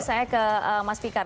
saya ke mas fikar